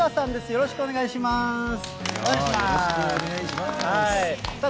よろしくお願いします、さあ